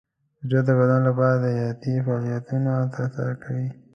زړه د بدن لپاره حیاتي فعالیتونه ترسره کوي.